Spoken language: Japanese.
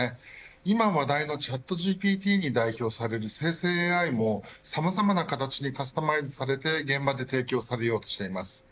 今話題のチャットＧＰＴに代表される生成ＡＩもさまざまな形にカスタマイズされて現場で提供されようとしています。